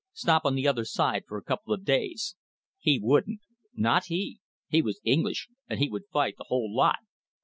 Stop on the other side for a couple of days. He wouldn't. Not he. He was English, and he would fight the whole lot.